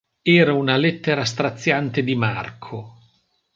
Era una lettera straziante di Marco.